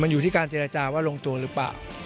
อยู่ที่การเจรจาว่าลงตัวหรือเปล่า